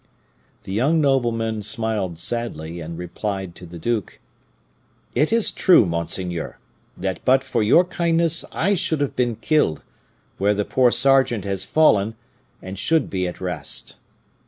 The young nobleman smiled sadly, and replied to the duke, 'It is true, monseigneur, that but for your kindness I should have been killed, where the poor sergeant has fallen, and should be at rest.